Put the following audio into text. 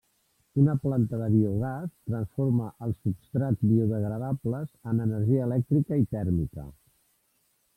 Una planta de biogàs transforma els substrats biodegradables en energia elèctrica i tèrmica.